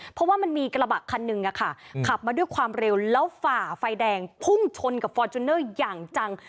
เพราะว่ามันมีกระบะคันหนึ่งขับมาด้วยความเร็วแล้วฝ่าไฟแดงพุ่งชนกับฟอร์จูเนอร์อย่างจัง